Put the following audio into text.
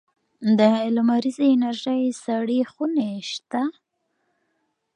د لمریزې انرژۍ سړې خونې شته؟